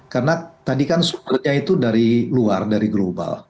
karena tadi kan sumbernya itu dari luar dari global